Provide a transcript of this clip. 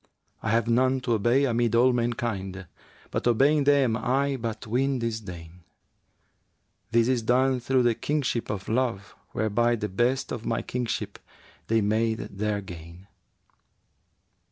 I have none to obey amid all mankind * But obeying them I but win disdain: This is done through the Kingship of Love, whereby * The best of my kingship they made their gain.'